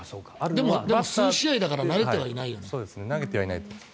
でも数試合だから投げてはいないよね。